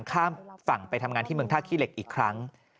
ข้ามฝั่งไปทำงานที่เมืองท่าขี้เหล็กอีกครั้ง